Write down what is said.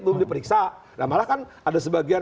belum diperiksa nah malah kan ada sebagian